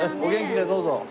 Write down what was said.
お元気でどうぞ。